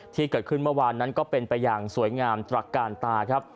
ที่เกิดขึ้นเมื่อวานนั้นก็เป็นไปอย่างสวยงามตรักการตาครับ